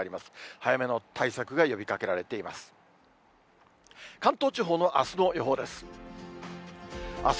早めの対策が呼びかけられています。